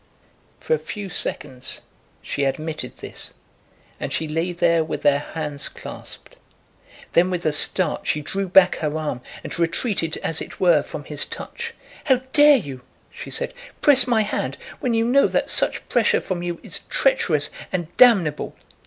For a few seconds she admitted this, and she lay there with their hands clasped. Then with a start she drew back her arm, and retreated as it were from his touch. "How dare you," she said, "press my hand, when you know that such pressure from you is treacherous and damnable!"